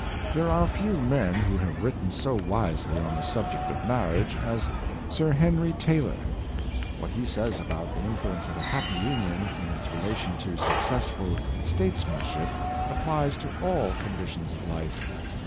There are few men who have written so wisely on the subject of marriage as Sir Henry Taylor. What he says about the influence of a happy union in its re Qualities of the True Wife. 569 lation to successful statesmanship applies to all condi tions of life.